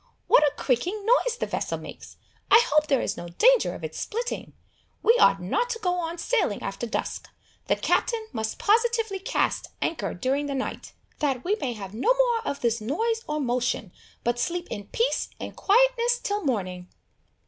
What a creaking noise the vessel makes! I hope there is no danger of its splitting! We ought not to go on sailing after dusk. The Captain must positively cast anchor during the night, that we may have no more of this noise or motion, but sleep in peace and quietness till morning."